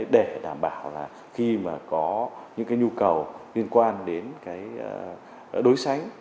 để đảm bảo là khi mà có những cái nhu cầu liên quan đến cái đối sánh